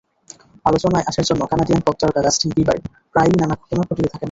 আলোচনায় আসার জন্য কানাডিয়ান পপতারকা জাস্টিন বিবার প্রায়ই নানা ঘটনা ঘটিয়ে থাকেন।